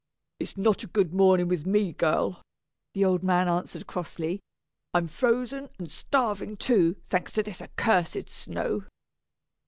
"It's not a good morning with me, girl," the old man answered, crossly. "I'm frozen and starving too, thanks to this accursed snow."